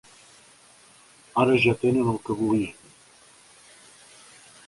Ara ja tenen el que volien.